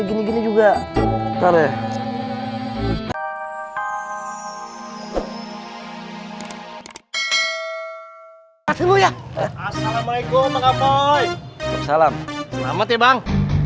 gini gini juga tarik hai selalu ya assalamualaikum mbak boy salam selamat ya bang